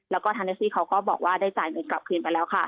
แล้วก็ทางแท็กซี่เขาก็บอกว่าได้จ่ายเงินกลับคืนไปแล้วค่ะ